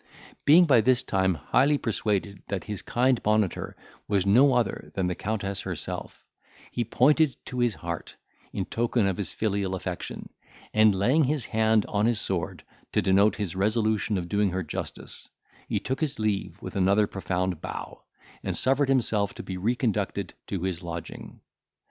Being by this time highly persuaded that his kind monitor was no other than the Countess herself, he pointed to his heart, in token of his filial affection, and laying his hand on his sword, to denote his resolution of doing her justice, he took his leave with another profound bow, and suffered himself to be reconducted to his lodging.